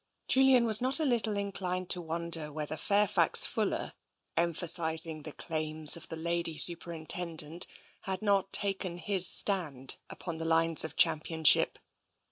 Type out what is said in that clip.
Julian was not a little inclined to wonder whether Fairfax Fuller, emphasising the claims of the Lady Superintendent, had not taken his stand upon the lines of championship.